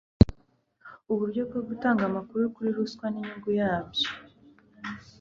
uburyo bwo gutanga amakuru kuri ruswa n'inyungu yabyo